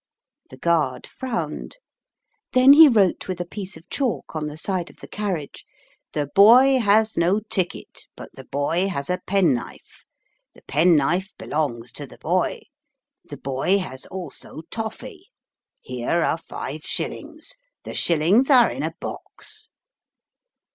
The guard frowned. Then he wrote with a piece of chalk on the side of the carriage, "The boy has no ticket, but the boy has a penknife. The penknife belongs to the boy. The boy has also toffey. Here are five shillings. The shillings are in a box."